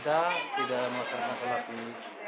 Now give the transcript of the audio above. alhamdulillah mereka sangat aktif